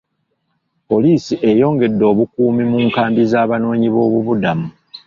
Poliisi eyongedde obukuumi mu nkambi z'abanoonyi boobubudamu.